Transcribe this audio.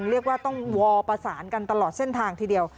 เรียกว่าต้องวอลประสานกันตลอดเส้นทางทีเดียว